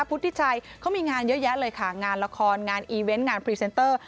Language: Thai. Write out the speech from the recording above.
พุทธิชัยเขามีงานเยอะแยะเลยค่ะงานละครงานอีเวนต์งานพรีเซนเตอร์